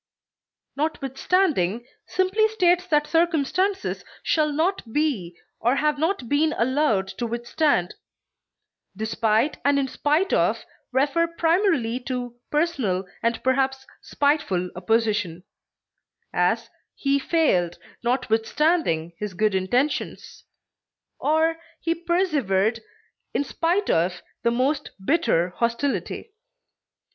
Notwithstanding simply states that circumstances shall not be or have not been allowed to withstand; despite and in spite of refer primarily to personal and perhaps spiteful opposition; as, he failed notwithstanding his good intentions; or, he persevered in spite of the most bitter hostility.